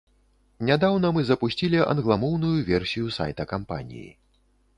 Нядаўна мы запусцілі англамоўную версію сайта кампаніі.